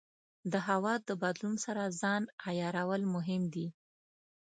د هوا د بدلون سره ځان عیارول مهم دي.